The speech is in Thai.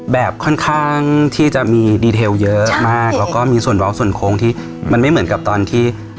แบบค่อนข้างที่จะมีดีเทลเยอะมากแล้วก็มีส่วนบล็อกส่วนโค้งที่มันไม่เหมือนกับตอนที่